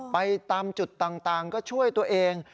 ไปตามจุดต่างก็ช่วยตัวเอง